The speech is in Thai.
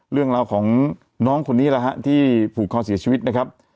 เรื่องราวของน้องคนนี้แหละฮะที่ผูกคอเสียชีวิตนะครับ